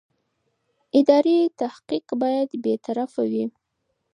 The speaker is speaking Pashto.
اداري تحقیق باید بېطرفه وي.